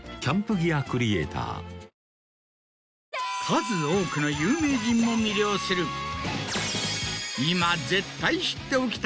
数多くの有名人も魅了する今。